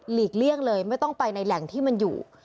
เลี่ยงเลยไม่ต้องไปในแหล่งที่มันอยู่